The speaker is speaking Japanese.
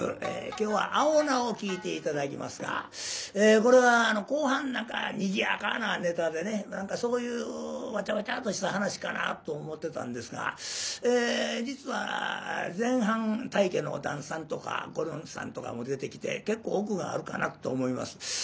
今日は「青菜」を聴いて頂きますがこれは後半何かにぎやかなネタでねそういうワチャワチャッとした噺かなと思ってたんですが実は前半大家の旦さんとかごりょんさんとかも出てきて結構奥があるかなと思います。